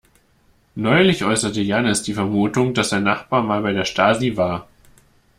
Neulich äußerte Jannis die Vermutung, dass sein Nachbar mal bei der Stasi war.